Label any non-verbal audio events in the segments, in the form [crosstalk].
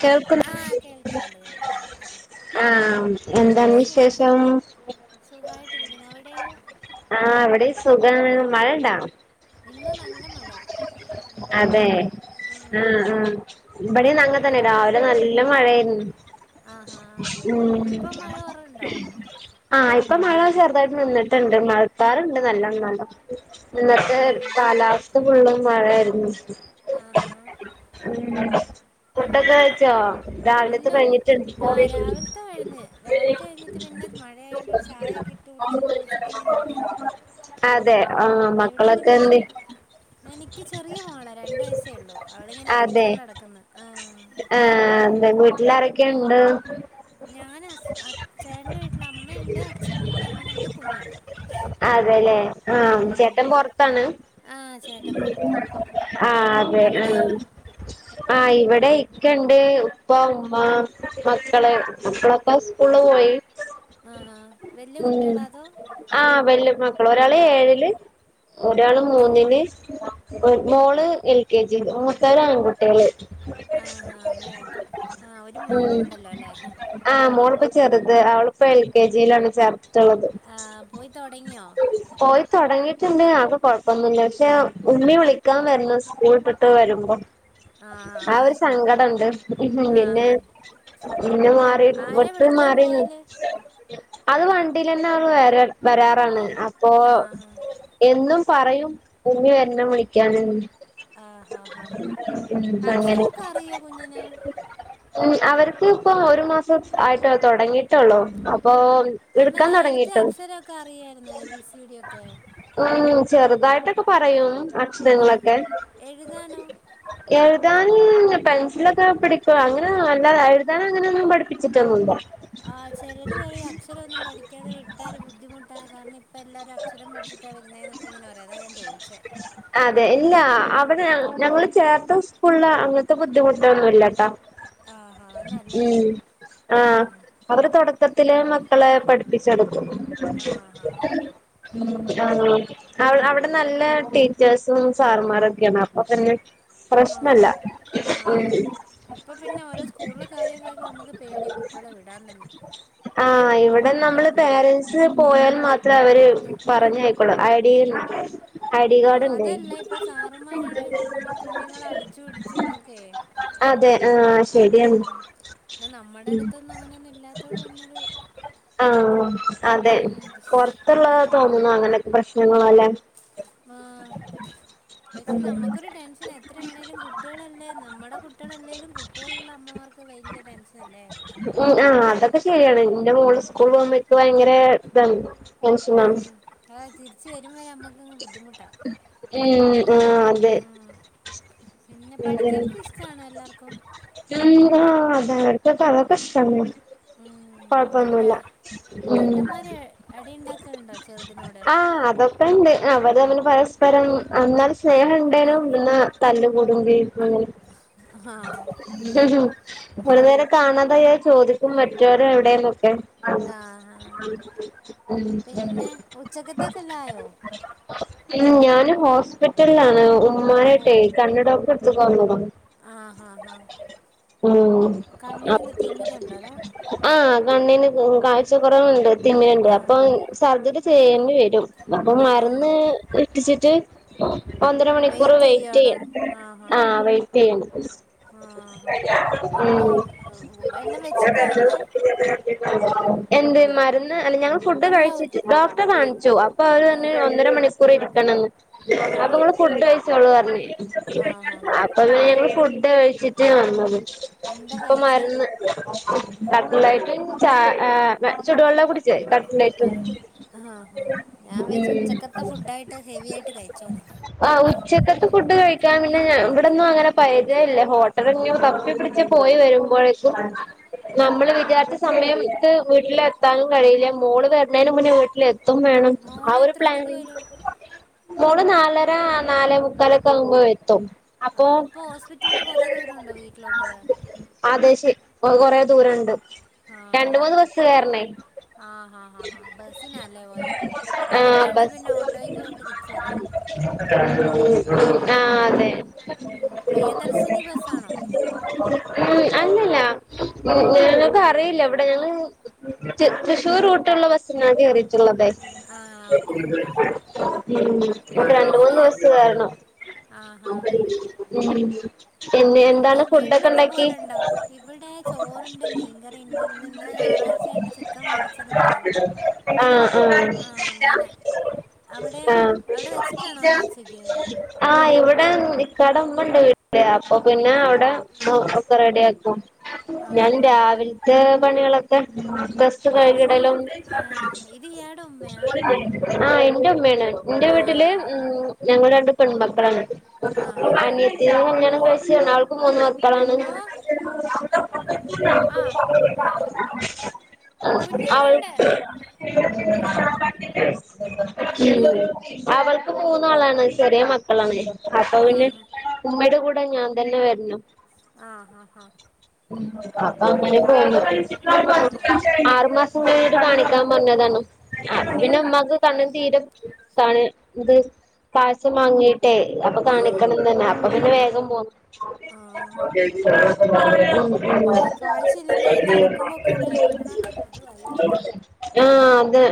കേൾക്കുന്നു ആഹ് കേൾക്കുന്നുണ്ട് കേൾക്കുന്നുണ്ട് ആഹ് എന്താണ് സു വിശേഷം സുഖായിട്ടിരിക്കുന്നു അവിടെയോ ആഹ് ഇവ്ടിം സുഖാണ് മഴണ്ടാ ഇന്ന് നല്ല മഴ അതെ ഉം അഹ് അഹ് ഇവിടെ ന്നങ്ങത്തന്നെ രാവ്ലെ നല്ല മഴെ ഉം ആഹാ ഉം ഇപ്പം മഴ കൊറവുണ്ടോ ആഹ് ഇപ്പൊ മഴ ചെറ്തായിട്ട് നിന്നിട്ടുണ്ട് മഴക്കാറിണ്ട് നല്ലോ ന്നാലും ഇന്നത്തെ കാലാവസ്ഥ ഫുള്ള് മഴാര്ന്നു ആഹാ ഉം ഉം ഇല്ല ഉ കഴിഞ്ഞിട്ടുണ്ട് ആഹ് രാവിൽത്തെ കഴിഞ്ഞ് രാവിത്തൈഞ്ഞിട്ട് പിന്നെ മഴേണ്ടൊരു ചായെക്കിട്ട് കുടിച്ച് കുളിച്ചിട്ട് ഇങ്ങനെ ഇരിക്കുന്നു അതെ എവിടേലും കേറി മക്കളൊക്കെന്തെ എനിക്ക് ചെറിയേ മോള രണ്ട് വയസേള്ളൂ അവളിങ്ങനെ അതെ കളിച്ചോണ്ടടക്ക്ന്ന് ആഹ് അതെ വീട്ടിലാരൊക്കെണ്ട് ഞാൻ ഹസ് അചേട്ൻ്റെ വീട്ലാ അമ്മെണ്ട് അച്ഛനിണ്ട് ഞാനിണ്ട് കുഞ്ഞിണ്ട് അതെല്ലേ ആഹ് ചേട്ടൻ പൊർത്താണ് ആ ചേട്ടൻ പുറത്താ ആഹ് അതെ അവിടെയോ ഉം ആഹ് ഇവെടെ ഇക്കെണ്ട് ഉപ്പ ഉമ്മ മക്കള് മക്കളൊക്കെ സ്കൂള്ള് പോയി ആഹാ വലിയ ഉം കുട്ടികളാ അതോ ആഹ് വെല്ല്യേ മക്കള് ഒരാള് ഏഴില് ഒരാള് മൂന്നില് മോള് എൽ കെ ജി മൂത്തര് ആൺകുട്ട്യേള് ആഹാ മോ അപ്പം ആ ഒരു മോളും ഉം ഉണ്ടല്ലോ അല്ലേ ആഹ് മോളിപ്പോ ചെറിത് അവളിപ്പോ എൽ കെ ജിലാണ് ചേർ ത്തത് ആ പോയി തുടങ്ങിയോ പോയിത്തൊടങ്ങിട്ടിണ്ട് കൊഴപ്പൊന്നുല്ല പഷെ ഉമ്മി വിളിക്കാൻ വര്ണം സ്കൂളിട്ടിട്ടെ വരുമ്പം ആ ആഹ് ഒരു സങ്കടണ്ട് പിന്നെ ആഹാ പിന്നെ മാറി ആരെ ഒട്ടും വിളിക്കാൻ മാറിന്ന് പോവാല് അത് വണ്ടിലെന്നെ അവള് വരാ വരാറാണ് അപ്പൊ ആഹാ എന്നും പറയും ഉമ്മി വര്ണം വിളിക്കാനിന്ന് ആഹ്ഹഹ അങ്ങനെ അക്ഷരൊക്കെ അറിയോ കുഞ്ഞിന് ഉം അവർക്ക് ഇപ്പൊ ഒരു മാസം ആയിട്ടെള്ളൂ തൊടങ്ങീട്ടൊള്ളു അപ്പൊ അല്ല എടുക്കാൻ നേര്ത്തെ തുടങ്ങിട്ട് അക്ഷരൊക്കെ അറിയായിരുന്നോ എ ബി സി ഡ്യൊക്കെ ഉം ചെറ്തായിട്ടൊക്കെ പറയും ആ അക്ഷരങ്ങളൊക്കെ എഴുതാനോ എഴ്താന് പെൻസിലൊക്കെ പിടിക്കും അങ്ങനെ അല്ലാതെ എഴ്താനങ്ങനൊന്നും പഠിപ്പിച്ചിട്ടൊന്നുല്ല ആഹ് ചെലര് പറെം അക്ഷരൊന്നും പഠിക്കാതെ വിട്ടാല് ബുദ്ധിമുട്ടാ കാര്ണം ഇപ്പെല്ലാരും അ ക്ഷരം പഠിച്ചിട്ടാ വരുന്നേന്നൊക്കിങ്ങനെറയും അതാ ഞാൻ ചോയ്ച്ചേ അതെ ഇല്ല അവിടെ ഞങ്ങള് ചേർത്ത സ്കൂള്ള് അങ്ങൻത്തെ ബുദ്ധിമുട്ടൊന്നുല്ലട്ട ആഹ് ആഹ് അത് നല്ലാര്യം ആഹ് അവര് തൊടക്കത്തിലെ മക്കളെ പഠിപ്പിച്ചൊടുക്കും ആഹാ ഉം ആഹ് അവ അവടെ നല്ല ടീച്ചേഴ്സും സാറമാരൊക്കെയാണ് അപ്പൊ തന്നെ ആഹ് ആഹ് ആഹ് ആഹ് ഇപ്പൊ പിന്നെ ഓരോ സ്കൂളിലെ കാര്യൊക്കെ കേക്കു നമക്ക് പേട്യാ കുട്ട്യളെ വിടാൻ തന്നെ ആഹ് ഇവിടെ നമ്മള് ഉം പേരൻ്റസ് പോയാൻ മാത്ര അവര് പറഞ്ഞായ് കുള്ളൂ ഐ ഡീം ആഹ് അതല്ല ഇപ്പ സാറുമാരാണേങ്കിലും കു കുഞ്ഞുങ്ങളെ അടിച്ചു ഇടിച്ചുന്നൊക്കെ അതെ ആഹ് ശരിയാണ് ഉം പിന്നെ നമ്മുടെ അടുത്തൊന്നും അങ്ങനെയൊന്നും ഇല്ലാത്തൊണ്ട് പിന്നൊരു ആഹ് അതെ ഉം പൊറത്തുള്ളതാ ഉം തോന്നുന്നു അങ്ങനൊക്കെ പ്രശ്നങ്ങള് അല്ലെ ആഹ് പക്ഷെ നമ്മുക്കൊരു ടെൻഷനാ എത്രാണേലും കുട്ടികളല്ലേ നമ്മുടെ കുട്ടികളല്ലേലും കുട്ടികളുള്ള അമ്മമാർക്ക് വല്ല്യ ടെൻഷൻ അല്ലേ ഉം ആഹ് അതൊക്കെ ശരിയാണ് ഇന്റെ മോള് സ്കൂൾ ഉം പോകുമ്പ ഇക്ക് ഭയങ്കര ഇതാണ് ടെൻഷനാണ് ഉം അവാ തിരിച്ച് വരുവരെ നമ്മുക്കങ്ങ് ബുദ്ധിമുട്ടാ ഉം ആഹ് അതെ ഉം പിന്നെ പഠിക്കാനൊക്കെ ഇഷ്ടാണോ എല്ലാർക്കും ഉം ആഹ് ബർക്കൊക്കെ അതൊക്കെ ഇഷ്ടാണ് ആഹ് ഉം ഒരാ കൊഴപ്പൊന്നുല്ല ഉം ഏട്ടന്മാര് അടി ഇണ്ടാക്കൽ ണ്ടോ ചെറുതിനോട് അഹ് ഇണ്ട് അവര് തമ്മില് പരസ്പരം എന്നാല് സ്നേഹം ഇണ്ടേനും ന്നാ ആഹ് [unintelligible] കാണാതായാ ചോദിക്കും മറ്റാരെവടെന്നൊക്കെ ആഹ് ആഹ് പിന്നെ ഉച്ചക്കത്തേക്കെല്ലാം ആയോ [unintelligible] ഉം ഞാന് ഹോസ്പിറ്റലിലാണ് ഓഹ് ഉമ്മാനിട്ടെ കണ്ണ് ഡോക്ടറെ അടുത്ത്ക്ക് വന്നതാ ആഹ് ആഹ് ആഹ് ഉം അ കണ്ണിനെന്താ തിമിരണ്ടോ അതോ ആഹ് കണ്ണിന് കാഴ്ച കൊറവുണ്ട് തിമിരണ്ട് ആഹ് അപ്പം സർജറി ചെയ്യണ്ടി വരും അപ്പൊ ആഹ് മരുന്ന് ഉറ്റിച്ചിട്ട് ഒന്നര മണിക്കൂറ് വെയിറ്റ് വെയ് ചെയ്യാണോ റ്റയ്യും ആഹാ ആഹ് വെയിറ്റയ്യും ആഹാ അപ്പൊ ഉം എല്ലാം വെച്ചിട്ടാ വന്നേ എന്ത് മരുന്ന് അല്ല ഞങ്ങ ഫുഡ് അല്ല ഉ കഴിച്ചിട്ട് ഡോക്ടറെ കാണിച്ചു അപ്പൊ അവര് പറഞ്ഞു ആഹ് ഒന്നര മണിക്കൂർ ഇരിക്കണംന്ന് അപ്പൊ നിങ്ങള് ഫുഡഴിച്ചോളു പറഞ്ഞ് ആഹ് ആഹ് അപ്പ പിന്നെ ഞങ്ങള് ഫുഡ് കഴിച്ചിട്ട് വന്നത് എന്താ ഇപ്പൊ കഴിച്ചേ മരുന്ന് കട്ടലയ്റ്റും ചാ എഹ് എഹ് ചുടുവെള്ള കുടി ചെ കട്ലെറ്റും ആഹ് ആഹാ ഞാൻ ഉം വിചാരിച്ചു ഉച്ചക്കത്തെ ഫുഡായിട്ട് ഹെവി ആയിട്ട് കഴിച്ചോന്ന് ആഹ് ഉച്ചക്കത്തും ഫുഡ് കഴിക്കാൻ പിന്നെ ഇവിടൊന്നും അങ്ങനെ പരിചയല്ല ഹോട്ടല് ഇഞ്ഞ് തപ്പി പിടിച്ച് പോയി വരുമ്പോഴേക്കും നമ്മള് വിചാരിച്ച സമയത്ത് വീട്ടിലെത്താനും കഴിയില്ല മോള് വരണേന് മുന്നേ വീട്ടിലെ ത്തും വേണം ആ മോള് ഒരു എത്ര മണിക്ക് പ്ലാനിംഗ് വരും മോള് നാലര നാലേ മുക്കാലൊക്കെ ആകുമ്പോ എത്തും ആഹ് അപ്പൊ ഹോസ്പ്പിറ്റൽന്ന് കൊറേ ദൂര ഉണ്ടോ വീട്ടിലോട്ട് ആതേ ശി കൊറേ ദൂരണ്ട് രണ്ട് മൂന്ന് ആഹ് ബസ് കേറണേ ആഹ് ആഹ് ആഹ് ബസ്സിനാല്ലേ പോയേ ആഹ് അട്ത്താണേ ബസ് പിന്നെ ഓട്ടോയ്ക്ക് പോയിട്ട് തിരിച്ചു വരായിരുന്നു [unintelligible] ആഹ് അതെ ഉം പ്രിയദർശിനി ബസ്സാണോ അല്ലല്ല ഞങ്ങള്ക്കറിയില്ല ഇവിടെ ഞങ്ങള് റ്റ് തൃശൂര് റൂട്ട് ള്ള ബസ്സ് ഞാൻ കേറി ഉം ആഹ് ഓക്കെ ഓക്കെ ഒര് രണ്ട് പിന്നെ മൂന്ന് വേറെ ബസ്സ് കേറണം ആഹാ ഉം പിന്നെ വീട്ടിലൊക്കെ പോലണ്ടോ ഇവിടെ ചോറുണ്ട് മീൻകറിണ്ട് പിന്നെ ഇന്നലെ ഞായറാഴ് ചേണ്ട് ചിക്കൻ മേടിച്ചതുണ്ടായിരുന്നു ആഹ് അങ്ങനെ അവിടെയോ ആഹ് അവിടെ വെച്ചിട്ടാണോ വന്നെ ഉച്ചയ്ക്ക് ആഹ് ഇവിടെ ഇക്കാടെ ഉമ്മണ്ട് വീട്ടില് അപ്പൊ പിന്നെ അവിടെ ഉമ്മ ഒക്കൊപ്പ റെഡിയാക്കും ഞാൻ ആഹാ രാവിലത്തെ പണികളൊക്കെ ദസ് ഇത് ഇങ് കൈകിടലും ആഹ് ഇത് ഇയാടെ ഉമ്മയാ ആഹ് എന്റെ ഉമ്മയാണ് ഇന്റെ വീട്ടില് ആഹ് ഞങ്ങൾ രണ്ട് പെൺമക്കളാണ് ആഹ് ആഹ് ഹാ ത്തിനെ കല്യാണം കഴിച്ചേണ് അവൾക്ക് മൂന്ന് മക്കളാണ് ഓ ആഹ് ആഹാ [inaudible] കുഞ്ഞിവിടെണ്ട് അവൾക്ക് ആഹ് പിന്നെ അവൾക്ക് മൂന്നാളാണ് ചെറിയ മക്കളാണ് അപ്പൊ പിന്നെ ആഹാ ഉമ്മയുടെ കൂടെ ഞാൻ തന്നെ വരണം ആഹ് ഹ ഹ [inaudible] അപ്പ അങ്ങനെക്കാണ് ആഹ് ആറു മാസം കഴിഞ്ഞിട്ട് കാണിക്കാൻ പറഞ്ഞതാണ് അപ്പം പിന്നെ ആഹ് ഉമ്മാക്ക് കണ്ണിന് തീരെ എത്താണ് ഇത് കാഴ്ച മങ്ങി ട്ടെ അപ്പൊ ആഹ് ആഹ് കാണിക്കണംന്ന് തന്നെ അപ്പൊ പിന്നെ വേഗം പോന്നു ആഹ് ഉം ഉം ആഹ് കാഴ്ചയില്ലെങ്കി ഈ നടക്കുമ്പോക്കെ എവിടേലും വീണാ പിന്നെ അതുവായി ആഹ് അതെ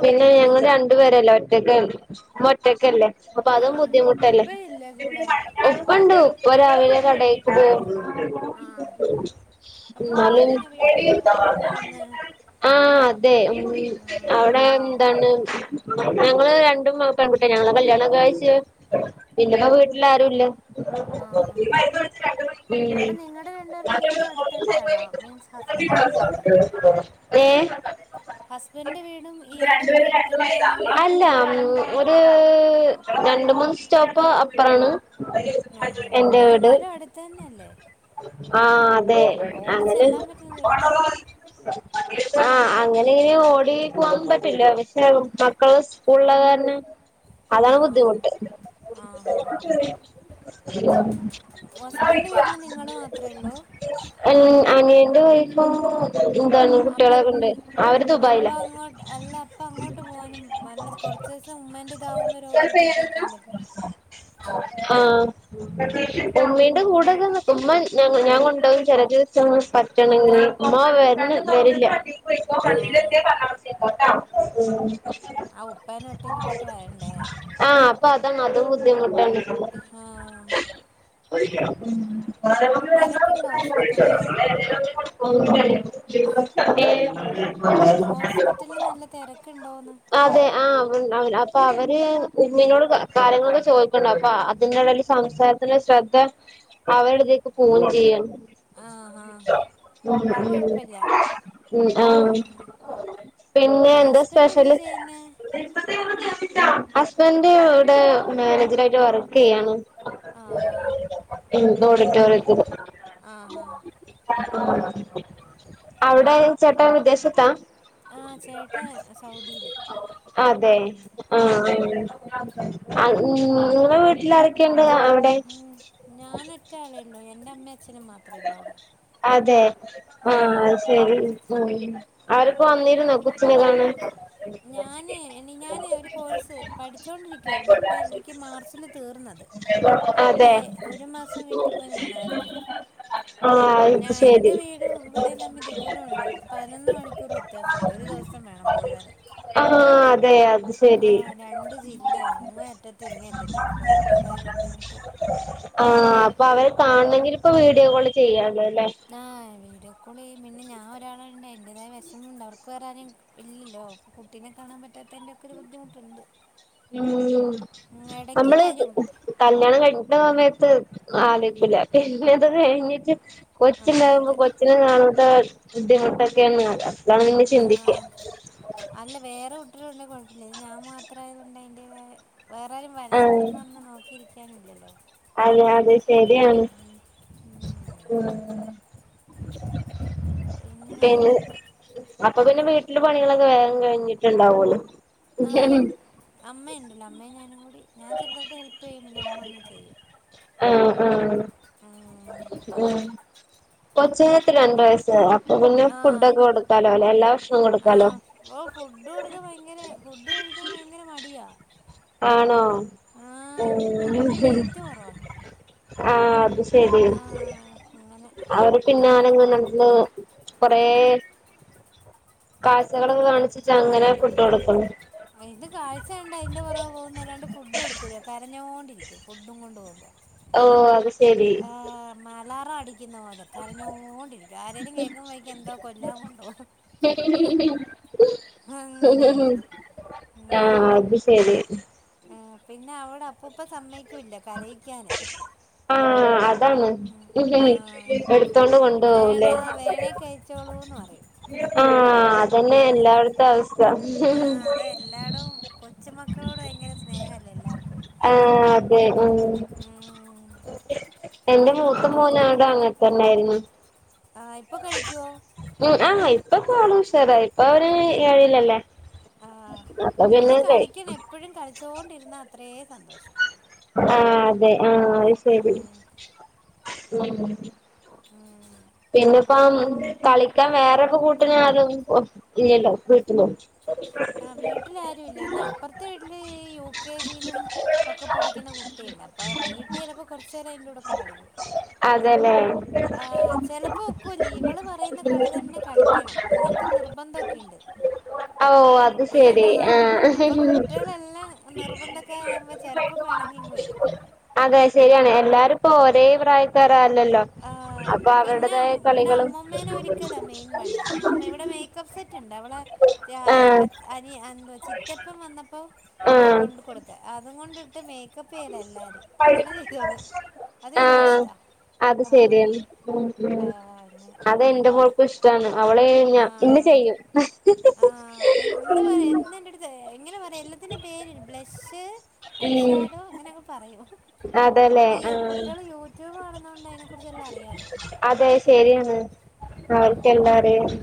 പിന്നെ ഞങ്ങൾ രണ്ടു പേരല്ലെ ഒറ്റക്കേ ഇമ്മ ഒറ്റക്കല്ലേ അപ്പൊ അതും ആഹ് ബുദ്ധിമുട്ടല്ലേ ഉപ്പയില്ലേ കൂടെ ഉപ്പണ്ട് ഉപ്പ രാവിലെ കടയി ക്ക് പോ ആഹ് അപ്പൊ ഇന്നാലും ഉമ്മന്നെയാണോ വീട്ടിലെ ജോലിയെല്ലാം ചെയ്യുന്നെ ആഹ് അതെ ഉം ആഹ് അവിടെ ആഹ് പാവം എന്താണ് ഞങ്ങള് രണ്ടും പെൺകുട്ട്യാ ഞങ്ങളെ കല്യാണം കഴിച്ച് പിന്നെപ്പോ വീട്ടില ആരുംല്ലാ ആഹ് അപ്പൊ നിങ്ങടെ രണ്ടുപേരുടെ വീടും അടുത്തടുത്താണോ മീൻസ് ഹസ്ബൻന്റെ വീടും [inaudible] ഉം ഏ ഹസ്ബൻന്റെ വീടും ഇയാടെ വീടും അടുത്തടുത്താണോന്ന് അല്ല മൂ ഒര് രണ്ട് മൂന്ന് സ്റ്റോപ്പ് അപ്പറാണ് ആഹ് ആഹ് എന്നാലും അടുത്ത് തന്നെയല്ലേ ആഹ് അതെ അങ്ങനെണ്ട് ഓടിച്ചെല്ലാൻ പറ്റുന്ന ദൂരത്താ ആഹ് അങ്ങനെ ഇങ്ങനെ ഓടി പോവാന്നൊന്നും പറ്റില്ല പക്ഷെ മക്കള് സ്കൂള് ള്ള കാരണം [inaudible] അതാണ് ആഹ് ബുദ്ധിമുട്ട് ആഹാ ഹസ്ബൻഡിന്റെ വീട്ടില് നിങ്ങള് മാത്രേ ഉള്ളൂ എൻ അനിയന്റെ വൈഫും എന്താണ് അപ്പൊ കുട്ടികളൊക്കെ ഉണ്ട് അവര് അപ്പ ദുബായില അങ്ങോട്ട് അല്ല അപ്പ അങ്ങോട്ട് പോവാനും വല്ല കുറച്ചീസം ഉമ്മാന്റിതാവും വരോ വീട്ടിൽ പോയി നിക്കാൻ പറ്റില്ല ആഹ് ഉമ്മീന്റെ ഉം കൂടെക്കെ നി ഉമ്മ ഞ ഞ കൊണ്ടോകും ചില ദിവസ പറ്റണങ്കി ഉമ്മാ വര്ണ് വരില്ല ആഹ് ഉം ആഹ് ഉപ്പാനെ ഒറ്റക്ക് ഇട്ടിട്ട് വരണ്ടേ ആഹ് അപ്പൊ അതാണ് അതും ബുദ്ധിമുട്ടാണ് ആഹ് ഉം തിരക്കുണ്ടോ ഒന്ന് ഹോസ്പിറ്റലില് രണ്ടും ഏത ഹോസ്പിറ്റലില് നല്ല തെരക്കണ്ടോന്ന്? അതെ ആ അവ ണ്ടാകുല അപ്പൊ അവൻ ഉമ്മിനോട് കാര്യങ്ങളൊക്കെ ചോദിക്കണ്ട് അപ്പൊ അതിന്റെടേല് സംസാരത്തിന്റെ ശ്രദ്ധ അവരടുത്തേക്ക് പോവും ചിയ്യും. ആഹാ ഉം അത് കുഴപ്പമില്ല ഉം ഉം ആഹ്. പിന്നെ എന്താ ഹസ്ബൻഡ് എന്താ സ്പെഷ്യല്? ചെയ്യുന്നേ ഹസ്ബൻഡ് ഇവിടെ മാനേജരായിട്ട് വർക്കെയ്യാണ്. ആഹാ [unintelligible] ഓടിറ്റോറിയത്തില് ആഹാ അവിടെ ചേട്ടൻ വിദേശത്ത? ആഹ് ചേട്ടേ സൗദില്. അതെ. ആഹ് ആഹ് നിങ്ങളെ വീട്ടിലാരൊക്കെയിണ്ട് ആഹ് അവി ഉ ഞാനോറ്റ ആളെ ള്ളു എന്റമ്മേം അച്ഛനും മാത്രം. അതെ ആ ആഹ് ശേ ശരി, അവരിപ്പോ വന്നിരുന്നോ കൊച്ചിനെ കാണൻ? ഞാന് ഇ ഞാന് ഒരു കോഴ്സ് പഠിച്ചോണ്ടിരിക്കുവായിരുന്നു. അപ്പൊ എനിക്ക് മാർച്ചില് തീർന്നത്. അപ്പേ അതെ ഒരു മാസം വീട്ടി പോയി നിന്നായിരുന്നു. ആഹ് അത് ഞൻ എന്റെ ശരി വീടും ഇവിടെം തമ്മി ദൂരണ്ട് പതിനൊന്ന് മണിക്കൂർ വ്യ ത്യാസണ്ട് ഒരു ദിവസം വേണം പോയി വരാൻ. ആഹ് അതെ അത്. ആ ശരി രണ്ട് ജില്ലയ അങ്ങെ അറ്റത്തു ഇങ്ങെ അറ്റത്തു അപ്പ അതിന്റേതായ ബുദ്ധിമുട്ട് ആഹ് അപ്പൊ അവരെ കാണണെങ്കിലി പ്പൊ വീഡിയോ കോള് ചെയ്യാലോ ല്ലേ? ആ വീഡിയോ കോൾ ചെയ്യും. പിന്നെ ഞാൻ ഒരാളായോണ്ട് അതിന്റെതായ വെശമുണ്ട് അവർക്ക് വേറാരേം ഇല്ലല്ലോ കുട്ടിനെ കാണാൻ പറ്റാത്തതിന്റെക്കെ ഒരു ബുദ്ധിമുട്ട്ണ്ട്. ഉം. നമ്മള്. വരും കല്യാണം കഴിക്കിന്ന സമയത്ത് ആലോയിക്കുല, പിന്നത് കഴിഞ്ഞിട്ട്, ആഹ് കൊച്ചിണ്ടാകുമ്പോ അതെ കൊച്ചിന കാണാത്ത ബുദ്ധിമുട്ടൊക്കെയ [unintelligible] ചിന്തിക്ക ആഹ് അല്ല വേറെ കുട്ട്യളുണ്ടെ കുഴപ്പല്ല. ഇത് ഞാൻ മാത്രായതോണ്ട് അതിന്റേതായ വേറാരും ആഹ് വരാനുണ്ടെന്ന് പറഞ്ഞ് നോക്കിയിരിക്കാനുല്ലല്ലോ? അതെ അതെ ശരിയാന്ന്. ഉം അങ്ങനെ. പിന്നെ? അപ്പൊ പിന്നെ വീട്ടില് പണികളൊക്കെ വേഗം കഴിഞ്ഞിട്ട്ണ്ടാവല്ലോ.? ആഹ് അമ്മ ഉണ്ടല്ലോ അമ്മയും ഞാനും കൂടി ഞാൻ ചെറുതായിട്ട് ഹെല്പ് ചെയ്യും പിന്നെ അമ്മ അങ്ങ് ചെയ്യും. ആഹ് ആഹ്. ഉം കൊച്ചു നേത്രാ രണ്ടു വയസ്. അപ്പൊ പിന്നെ ആഹ് ഫുഡോക്കെ കൊടുക്കാലോ ല്ലെ? എല്ലാ ഭക്ഷണോം കൊടുക്കാലോ? ആഹ് ഓ ഫുഡ് കൊടുക്കാൻ ഭയങ്കര ഫുഡ് കഴിക്കാൻ ഭയങ്കര മടിയാ. ആണോ ആഹ് ഏഹ് അതുകൊണ്ട് വെയിറ്റ് [unintelligible] കുറവാ ആഹ്അത് ശരി ആഹ് അങ്ങനെ അവര് പിന്നാനങ്ങ മൻസിലാവ കൊറേ. കായ്ച്ചകള് കാണിച്ച്അങ്ങനെ ഫുഡ് കൊടുക്കുന്നു. ഇത് കാഴ്ച കണ്ട് അതിന്റെ പോറ കെ പോകുന്നല്ലാണ്ട് ഫുഡ് കൊടുക്കൂല്ല കരഞ്ഞോണ്ടിരിക്കും ഫുഡും കൊണ്ട് പോകുമ്പോ. ഓ അത് ശെ ആഹ്‌ മലാറം അടി കിന്ന പോലെ കരഞ്ഞോണ്ടിരിക്കും. ആരേലും കേക്കുമ്പയ് ക്കും എന്താ കൊല്ലാം കൊണ്ടോവാ. അങ്ങനെയാണിത് ആഹ്അത് ശരി ആ പിന്നെ അവടെ അപ്പുപ്പൻ സമ്മയ്ക്കുല്ല കരയിക്കാന്. ആഹ് അതാണ് ഉം ആഹ് എടുത്തോണ്ട് കൊണ്ടു പോവൂല്ലേ? വേണേ ആഹ് വേണേ കഴിച്ചോളൂന്ന് പറയും ആഹ് അതന്നെ എല്ലായിടത്തും അവസ്ഥ. ല്ലാടും കൊച്ചുമക്കളോട് ഭയങ്കര സ്നേഹല്ലേ എല്ലാർക്കും. ഏ ഉം ഉം എന്റെ മൂത്ത മോനും അങ്ങനെത്തന്നായിരുന്നു. ആഹ് ഇപ്പൊ കഴിക്ക്യോ ഉ ആഹ് ഇപ്പൊക്കോള്ഉഷേറായി ഇപ്പ അവന് ഏഴ്ലല്ലേ ആഹ് ഇതിന് കളിക്കണം എപ്പോഴും കളിച്ചോണ്ടിക്കും അത്രേ സന്തോഷം ആഹ്അതെ ആഹ് ശരി ഉം ഉം പിന്നെപ്പം കളിക്കാൻ വേറെക്കെ കൂട്ടിനാരും ഇല്ലല്ലോവീട്ട് ന്നു ആഹ് വീട്ടിലാരുല്ല പിന്നെ അപ്പറത്തെ വീട്ടില് യു കെ ജിയിലും ഒക്കെ പഠിക്കുന്ന കുട്ടിയുണ്ട് അപ്പ വൈകിട്ട് ചിലപ്പോ കുറച്ച്നേരം അയിന്റെ കൂടെക്കെ കളിക്കും അതല്ലെ ആ ചെലപ്പോ ഒക്കൂല്ല ഇവള് പറയുന്ന കളി തന്നെ കളിക്കണം അങ്ങനത്തെ നിർബന്ധക്കെയുണ്ട് ഓ അത് ശരി അപ്പൊ ആഹ് കുട്ട്യാളെല്ലാം നിർബന്ധക്കാരകുമ്പോ ചെലപ്പോ പെണങ്ങിങ്ങ് വരും അതെ ശരിയാണ് എല്ലാരുപ്പോ ഒരേ പ്രായക്കാരവൂല്ലല്ലോ ആഹ് പിന്നെ ഇവിടെ അമ്മൂമ്മേനെ ഒരുക്കല മെയിൻ പണി അമ്മൂമ്മ ഇവിടെ മേക്കപ്പ് സെറ്റ്ണ്ട് അവളെ അ ആഹ് അ അരി അന്ത ചിറ്റപ്പം വന്നപ്പോ ആഹ് കൊണ്ട് കൊടുത്ത അതും കൊണ്ടിട്ട് മേക്കപ്പ് ചെയ്ത എല്ലാ രിംഅങ്ങനെ ചെയ്തോളു അത് ആഹ് വല്ല്യഇഷ്ട അത് ശെരിയാണ് ഉം ആഹ് ആങ്ങനെ ഉം ഇഷ്ടാണ് അവള് ഞ ഇന്ന് ആഹ് ചെയ്യും ആഹ്എന്ന്പറയാ എന്നും എന്റെ ട്ത്ത് എങ്ങനെ പറയാ എല്ലാത്തിന്റെ പേര് ബ്ലഷ് ഉം ഐശടോ അങ്ങനെക്കെ പറയൂ അതല്ലേ ഈ ആഹ് കുട്ട്യാള് യൂട്യൂബ് കാണുന്നോണ്ടായിന് അതെ ശരിയാണ് അവർക്കെലാം ഉം അറിയാം